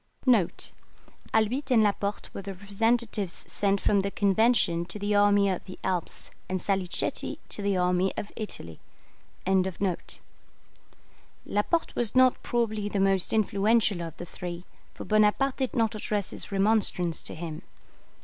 [Albitte and Laporte were the representatives sent from the Convention to the army of the Alps, and Salicetti to the army of Italy.] Laporte was not probably the most influential of the three, for Bonaparte did not address his remonstrance to him.